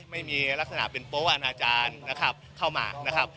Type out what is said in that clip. ไม่มีลักษณะเป็นโป๊ะอาจารย์เข้ามา